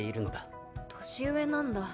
年上なんだ。